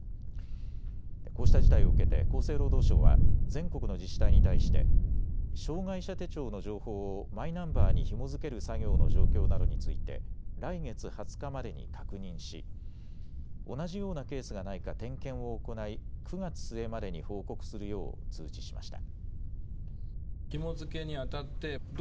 こうした事態を受けて厚生労働省は全国の自治体に対して障害者手帳の情報をマイナンバーにひも付ける作業の状況などについて来月２０日までに確認し同じようなケースがないか点検を行い９月末までに報告するよう通知しました。